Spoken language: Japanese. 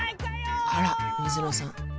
あら水野さん